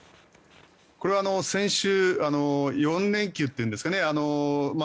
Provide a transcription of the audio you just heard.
これは先週４連休というんですかね。